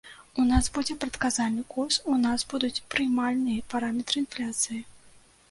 У нас будзе прадказальны курс, у нас будуць прыймальныя параметры інфляцыі.